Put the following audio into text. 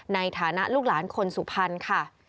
ในฐานะลูกหลานคนสุพรรณค่ะ